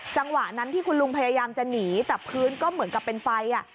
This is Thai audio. จังหวะนั้นที่คุณลุงพยายามจะหนีแต่พื้นก็เหมือนกับเป็นไฟอ่ะ